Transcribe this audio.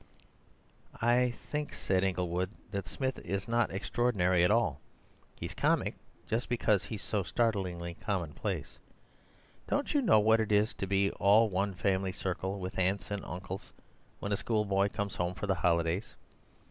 "I think," said Inglewood, "that Smith is not extraordinary at all. He's comic just because he's so startlingly commonplace. Don't you know what it is to be all one family circle, with aunts and uncles, when a schoolboy comes home for the holidays?